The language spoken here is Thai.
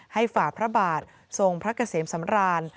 ฝ่าพระบาททรงพระเกษมสำราน